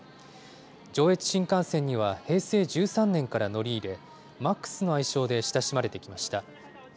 上越新幹線には平成１３年から乗り入れ、Ｍａｘの愛称で親しまれてきました。